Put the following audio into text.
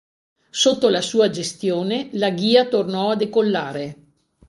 Sotto la sua gestione la Ghia tornò a decollare.